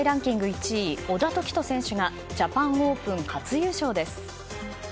１位小田凱人選手がジャパンオープン初優勝です。